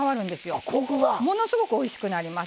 ものすごくおいしくなります。